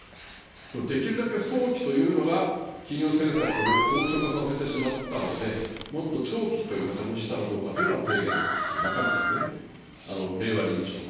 このできるだけ早期というのが金融政策を硬直化させてしまったので、もっと長期という形にしたらどうかというのが提言の中身ですね、令和臨調の。